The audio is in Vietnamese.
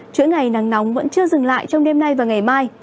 chuỗi ngày nắng nóng vẫn chưa dừng lại trong đêm nay và ngày mai